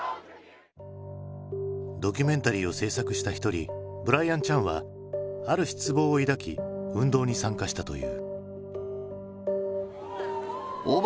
ドキュメンタリーを制作した一人ブライアン・チャンはある失望を抱き運動に参加したという。